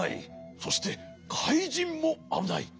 そしてかいじんもあぶない。